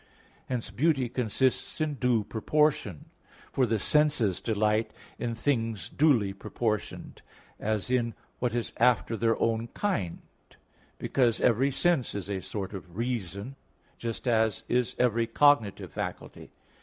Hence beauty consists in due proportion; for the senses delight in things duly proportioned, as in what is after their own kind because even sense is a sort of reason, just as is every cognitive faculty.